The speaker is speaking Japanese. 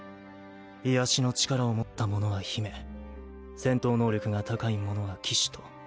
癒しの力を持った者は姫戦闘能力が高い者は騎士と。